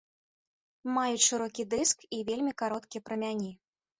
Маюць шырокі дыск і вельмі кароткія прамяні.